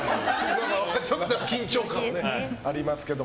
ちょっと緊張感もありますけど。